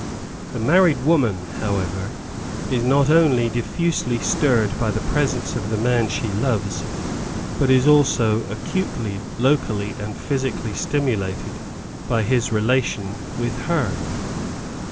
The married woman, however, is not only diffusely stirred by the presence of the man she loves, but is also acutely locally and physically stimulated by his relation with her.